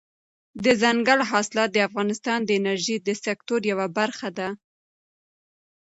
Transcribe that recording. دځنګل حاصلات د افغانستان د انرژۍ د سکتور یوه برخه ده.